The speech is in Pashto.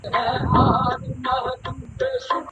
د خطا قتل کفاره هم ټاکل سوې ده.